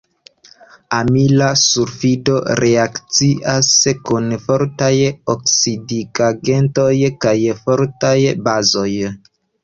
Amila sulfido reakcias kun fortaj oksidigagentoj kaj fortaj bazoj.